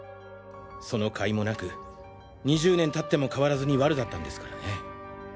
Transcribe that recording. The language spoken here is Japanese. その甲斐もなく２０年経っても変わらずにワルだったんですからね。